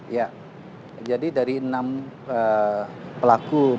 ya jadi dari enam pelaku